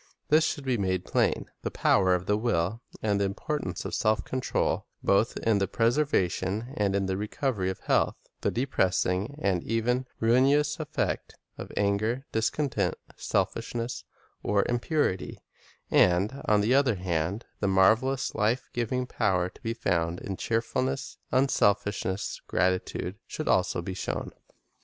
This should be made plain. The power of the will and the importance of self control, both in the preservation and in the recovery of health, the depressing and even ruinous effect of anger, discon tent, selfishness, or impurity, and, on the other hand, the marvelous life giving power to be found in cheerful ness, unselfishness, gratitude, should also be shown.